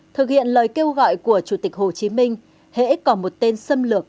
thực hiện lời kêu gọi của chủ tịch hồ chí minh hễ còn một tên xâm lược